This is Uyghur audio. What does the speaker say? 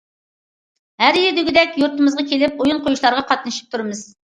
ھەر يىلى دېگۈدەك يۇرتىمىزغا كېلىپ ئويۇن قويۇشلارغا قاتنىشىپ تۇرىمىز.